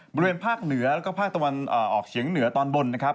บริเวณภาคเหนือแล้วก็ภาคตะวันออกเฉียงเหนือตอนบนนะครับ